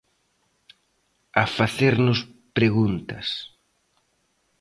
A facernos preguntas.